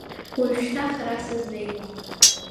Уажәшьҭа хара сызнеиуам.